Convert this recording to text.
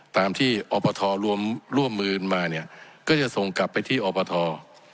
ตามที่อบทรวมร่วมมือมาเนี่ยก็จะส่งกลับไปที่อบท